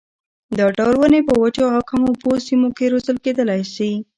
دا ډول ونې په وچو او کمو اوبو سیمو کې روزل کېدلای شي.